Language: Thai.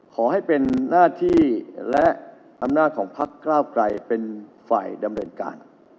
ขอให้เป็นหน้าที่และอำนาจของพักก้าวไกลเป็นฝ่ายดำเนินการ